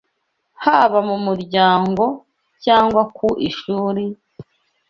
Haba mu muryango cyangwa ku ishuri,